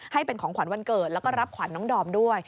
ให้เป็นของขวัญวันเกิดแล้วก็รับขวัญน้องดอมด้วย